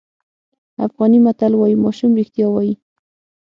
افغاني متل وایي ماشوم رښتیا وایي.